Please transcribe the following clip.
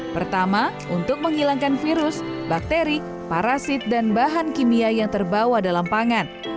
pertama untuk menghilangkan virus bakteri parasit dan bahan kimia yang terbawa dalam pangan